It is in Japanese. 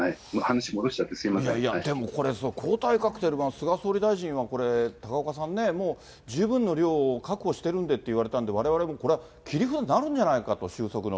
いやいや、でも、抗体カクテル、菅総理大臣は、高岡さんね、もう十分な量を確保してるんでって言われたんで、われわれも、これは切り札になるんじゃないかと、収束の。